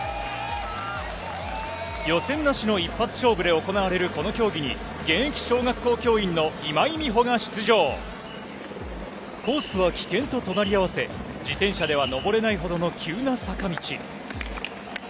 予選なしの一発勝負で行われるこの競技に、現役小学校教員の今井美穂が出場。コースは危険と隣り合わせ、自転車ではのぼれないほどの急な坂道。